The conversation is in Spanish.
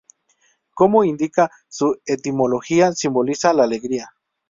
Como indica su etimología, simboliza la alegría.